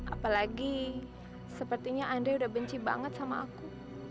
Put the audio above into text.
apalagi sepertinya andre udah benci banget sama aku